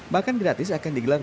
makan gratis akan digelar